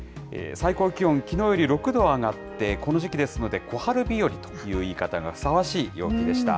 最高気温、きのうより６度上がって、この時期ですので小春日和という言い方がふさわしい陽気でした。